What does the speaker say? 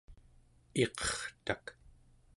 iqertak